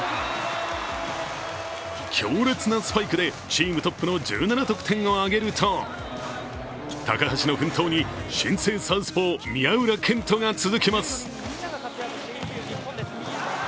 強烈なスパイクでチームトップの１７得点を挙げると高橋の奮闘に新星サウスポー宮浦健人が続きます。